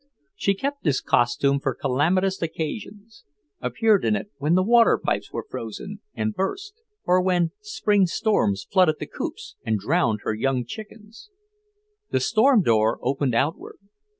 She kept this costume for calamitous occasions; appeared in it when the water pipes were frozen and burst, or when spring storms flooded the coops and drowned her young chickens. The storm door opened outward.